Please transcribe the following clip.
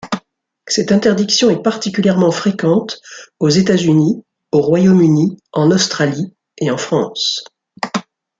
Cette interdiction est particulièrement fréquente aux États-Unis, au Royaume-Uni, en Australie et en France.